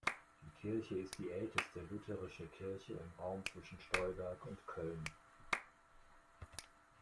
Die Kirche ist die älteste lutherische Kirche im Raum zwischen Stolberg und Köln.